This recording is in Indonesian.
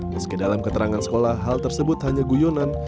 meski dalam keterangan sekolah hal tersebut hanya guyonan